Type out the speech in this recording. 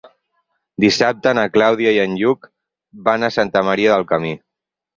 Dissabte na Clàudia i en Lluc van a Santa Maria del Camí.